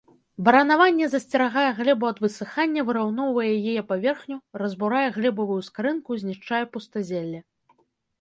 Баранаванне засцерагае глебу ад высыхання, выраўноўвае яе паверхню, разбурае глебавую скарынку, знішчае пустазелле.